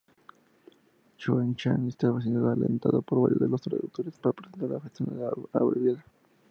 Xuanzang estaba siendo alentado por varios de los traductores para presentar una versión abreviada.